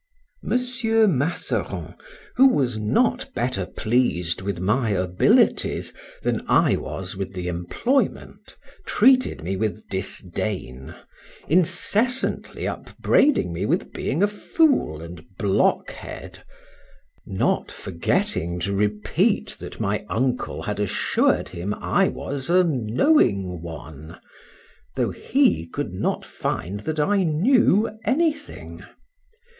Mr. Masseron, who was not better pleased with my abilities than I was with the employment, treated me with disdain, incessantly upbraiding me with being a fool and blockhead, not forgetting to repeat, that my uncle had assured him I was a knowing one, though he could not find that I knew anything.